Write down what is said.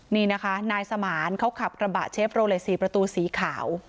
นี่นะคะนายสมานเขาขับกระบะเชฟโรเลส๔ประตูสีขาว